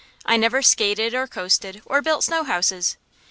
I never skated or coasted or built snow houses.